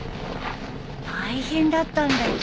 大変だったんだよ。